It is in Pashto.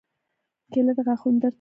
کېله د غاښونو درد کموي.